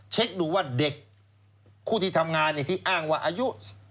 เช็คดูว่าเด็กผู้ที่ทำงานที่อ้างว่าอายุ